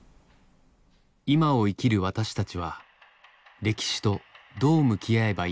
今を生きる私たちは歴史とどう向き合えばいいのか？